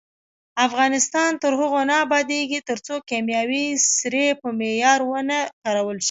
افغانستان تر هغو نه ابادیږي، ترڅو کیمیاوي سرې په معیار ونه کارول شي.